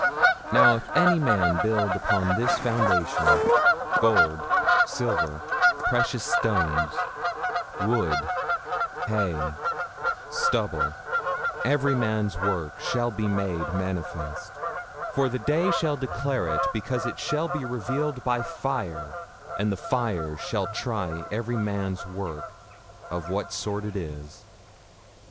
'Now if any man build upon this foundation, gold, silver, precious stones, wood, hay, stubble, every man's work shall be made manifest; for the day shall declare it, because it shall be revealed by fire; and the fire shall try every man's work of what sort it is.'